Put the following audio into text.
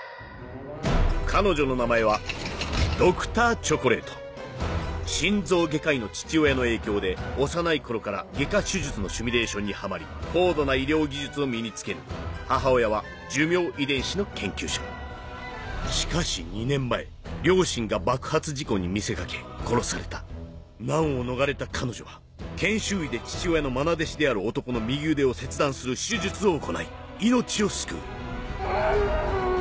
彼女の名前はＤｒ．チョコレート心臓外科医の父親の影響で幼い頃から外科手術のシミュレーションにハマり高度な医療技術を身に付ける母親は寿命遺伝子の研究者しかし２年前両親が爆発事故に見せかけ殺された難を逃れた彼女は研修医で父親のまな弟子である男の右腕を切断する手術を行い命を救ううぅ！